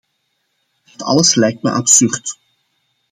Dit alles lijkt me absurd.